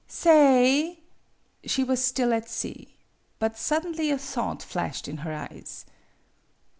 "Sa ayf " She was still at sea. But suddenly a thought flashed in her eyes.